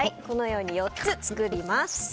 このように４つ作ります。